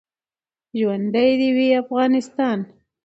ژوندۍ د وی افغانستان